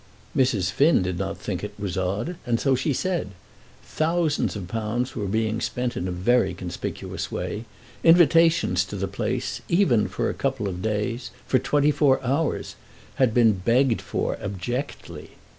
Mrs. Finn did not think that it was odd, and so she said. Thousands of pounds were being spent in a very conspicuous way. Invitations to the place even for a couple of days, for twenty four hours, had been begged for abjectly.